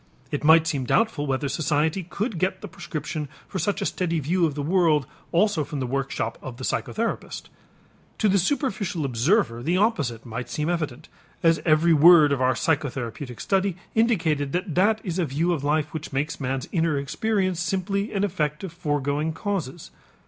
It might seem doubtful whether society could get the prescription for such a steady view of the world also from the workshop of the psychotherapist. To the superficial observer the opposite might seem evident, as every word of our psychotherapeutic study indicated that that is a view of life which makes man's inner experience simply an effect of foregoing causes.